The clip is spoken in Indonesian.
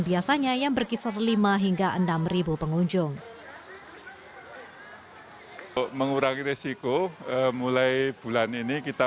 biasanya yang berkisar lima hingga enam ribu pengunjung mengurangi resiko mulai bulan ini kita